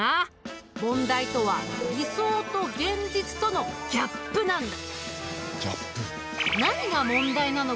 問題とは理想と現実とのギャップなんだ。